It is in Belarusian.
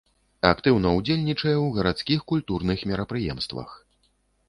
Актыўна ўдзельнічае ў гарадскіх культурных мерапрыемствах.